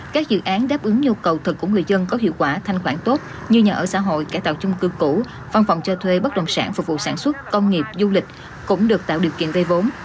các dự án đáp ứng nhu cầu thật của người dân có hiệu quả thanh khoản tốt như nhà ở xã hội cải tạo chung cư cũ văn phòng cho thuê bất đồng sản phục vụ sản xuất công nghiệp du lịch cũng được tạo điều kiện vây vốn